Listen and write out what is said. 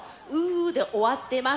「」で終わってます。